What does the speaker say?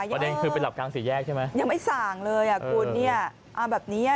ประเด็นคือไปหลับกลางสี่แยกใช่ไหมยังไม่ส่างเลยอ่ะคุณเนี่ยเอาแบบนี้อ่ะ